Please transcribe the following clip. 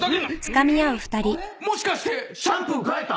もしかしてシャンプー変えた？